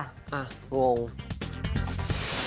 อ่ะงง